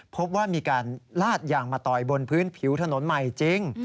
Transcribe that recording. พบว่ามีการลาดยางมาต่อยบนพื้นผิวถนนใหม่จริง